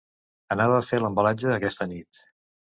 Anava a fer l'embalatge aquesta nit.